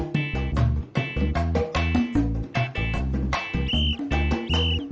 tik tik balik lagi sama imas